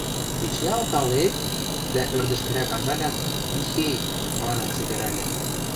– Эче алталет?! – дӓ ӧрдӹжкӹрӓк анжалят: – Михей... – манын сӹгӹрӓльӹ.